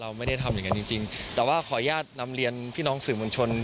เราไม่ได้ทำแบบนี้จริงแต่ว่าขออนุญาตนำเรียนพี่น้องศึกหมวชน